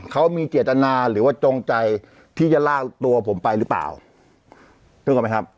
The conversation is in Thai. เขามีเจตนาหรือว่าจงใจที่จะลากตัวผมไปหรือเปล่านึกออกไหมครับ